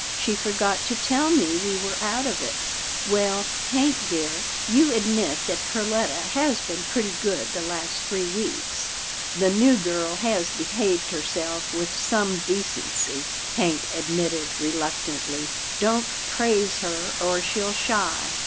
She forgot to tell me we were out of it — Well, Hank dear, you admit that Perletta has been pretty good the last three weeks." " The new girl has behaved herself with some PERLETTA'S PETS 215 decency," Hank admitted reluctantly. " Don't praise her, or she'll shy."